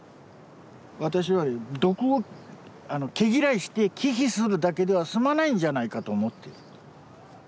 私は毒を毛嫌いして忌避するだけでは済まないんじゃないかと思ってる。